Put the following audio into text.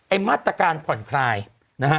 ไอ้มัตตาการผ่อนคลายนะฮะ